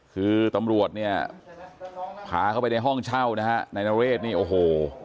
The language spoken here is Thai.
คือตำรวจเนี่ยพาเข้าไปในห้องเช่านะฮะนายนเรศนี่โอ้โห